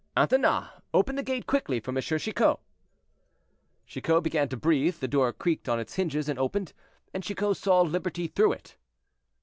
Anthenas, open the gate quickly for M. Chicot." Chicot began to breathe; the door creaked on its hinges, and opened, and Chicot saw liberty through it.